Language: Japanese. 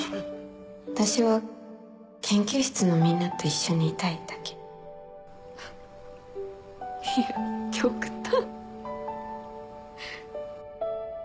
私は研究室のみんなと一緒にいたいだいや極端。